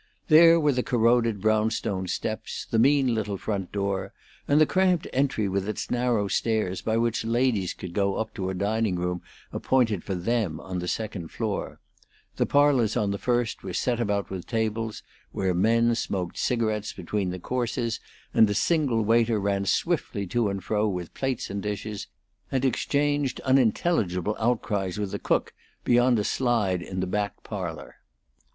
There were the corroded brownstone steps, the mean little front door, and the cramped entry with its narrow stairs by which ladies could go up to a dining room appointed for them on the second floor; the parlors on the first were set about with tables, where men smoked cigarettes between the courses, and a single waiter ran swiftly to and fro with plates and dishes, and, exchanged unintelligible outcries with a cook beyond a slide in the back parlor.